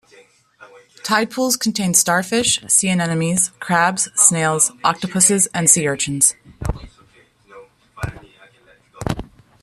Tidepools contain starfish, sea anemones, crabs, snails, octopuses and sea urchins.